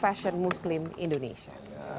fashion muslim indonesia